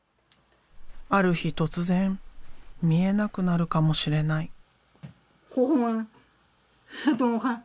ある日突然見えなくなるかもしれない。